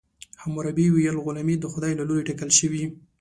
حموربي ویل غلامي د خدای له لورې ټاکل شوې.